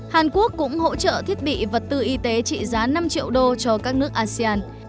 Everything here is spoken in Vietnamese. hàn quốc cũng hỗ trợ thiết bị vật tư y tế trị giá năm triệu đô cho các nước asean